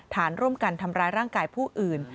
ฐานร่วมกันทำร้ายร่างกายผู้อื่น